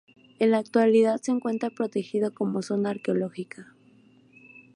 En la actualidad se encuentra protegido como zona arqueológica.